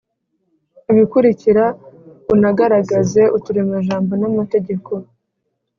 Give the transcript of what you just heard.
ibikurikira unagaragaze uturemajambo na mategeko